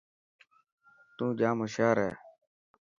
تون ڄام هوشيار هي.